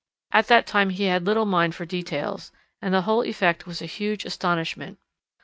At that time he had little mind for details; the whole effect was a huge astonishment.